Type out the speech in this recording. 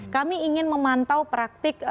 kami ingin memantau praktik